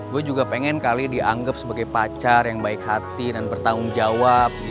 gue juga pengen kali dianggap sebagai pacar yang baik hati dan bertanggung jawab